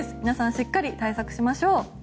皆さんしっかり対策しましょう。